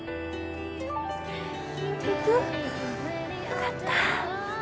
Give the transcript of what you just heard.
よかった。